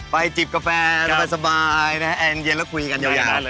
ไปจิบกาแฟแอร์เย็นแล้วคุยกันยาวครับ